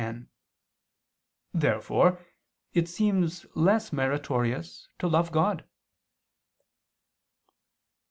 Therefore it seems less meritorious to love God.